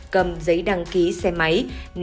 cầm giấy đăng ký xe máy